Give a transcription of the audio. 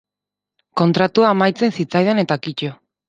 Kontratua amaitzen zitzaidan eta kito.